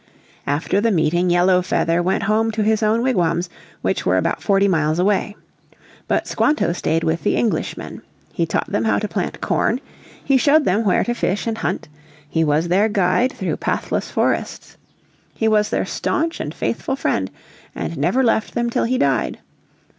After the meeting Yellow Feather went home to his own wigwams, which were about forty miles away. But Squanto stayed with the Englishmen. He taught them how to plant corn; he showed them where to fish and hunt; he was their guide through the pathless forests. He was their staunch and faithful friend, and never left them till he died.